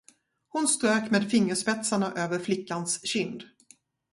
Hon strök med fingerspetsarna över flickans kind.